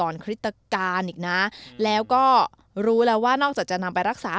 คริสตการณ์อีกนะแล้วก็รู้แล้วว่านอกจากจะนำไปรักษา